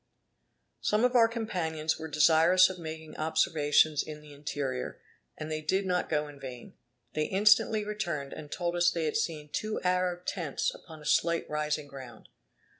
Some of our companions were desirous of making observations in the interior, and they did not go in vain. They instantly returned, and told us they had seen two Arab tents upon a slight rising ground.